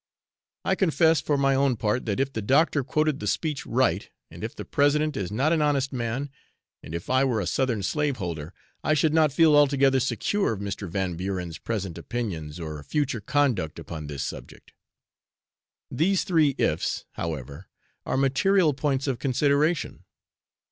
I confess, for my own part, that if the doctor quoted the speech right, and if the President is not an honest man, and if I were a Southern slave holder, I should not feel altogether secure of Mr. Van Buren's present opinions or future conduct upon this subject. These three ifs, however, are material points of consideration.